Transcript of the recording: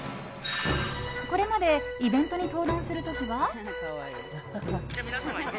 これまでイベントに登壇する時は。